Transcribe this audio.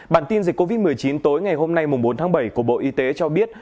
bản tin dịch covid một mươi chín tối ngày hôm nay bốn tháng bảy của bộ y tế cho biết